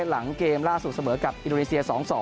หลังเกมล่าสุดเสมอกับอินโดนีเซีย๒๒